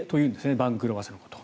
番狂わせのことを。